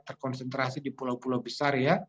terkonsentrasi di pulau pulau besar ya